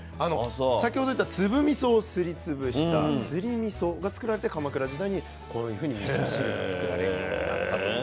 先ほど言ってた粒みそをすり潰したすりみそがつくられて鎌倉時代にこういうふうにみそ汁が作られるようになったと。